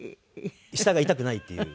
下が痛くないっていう。